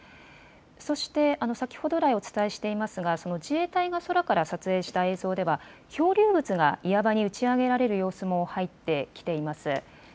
そして先ほどからお伝えしている自衛隊から撮影した映像では漂流物が岩場に打ち上げられる様子も入ってきています。